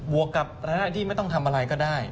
วกกับที่ไม่ต้องทำอะไรก็ได้